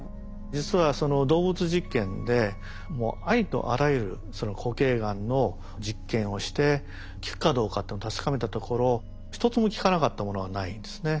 実は動物実験でもうありとあらゆる固形がんの実験をして効くかどうかっていうのを確かめたところ一つも効かなかったものはないんですね。